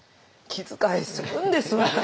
気遣いするんです私